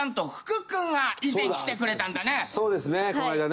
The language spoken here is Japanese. そうですねこの間ね。